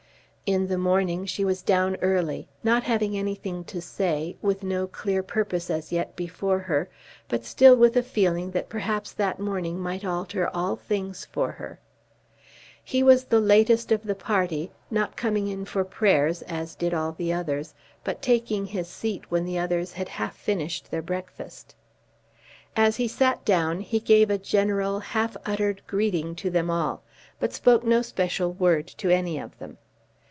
In the morning she was down early, not having anything to say, with no clear purpose as yet before her, but still with a feeling that perhaps that morning might alter all things for her. He was the latest of the party, not coming in for prayers as did all the others, but taking his seat when the others had half finished their breakfast. As he sat down he gave a general half uttered greeting to them all, but spoke no special word to any of them.